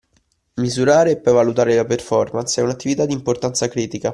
Misurare e poi valutare la performance è un'attività di importanza critica.